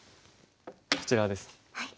こちらです。